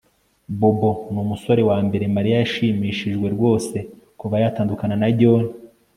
Bobo numusore wambere Mariya yashimishijwe rwose kuva yatandukana na John